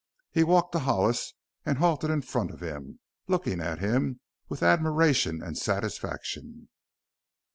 He walked to Hollis and halted in front of him, looking at him with admiration and satisfaction.